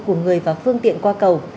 của người và phương tiện qua cầu